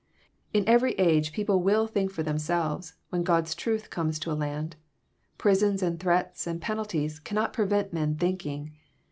In every JOHN, CHAP. XII. 321 age people will think for themselves, when God*s truth comes into a land. Prisons and threats and penalties cannot prevent men thinking.